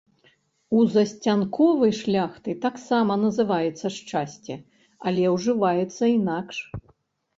У засцянковай шляхты таксама называецца шчасце, але ўжываецца інакш.